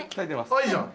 あっいいじゃん。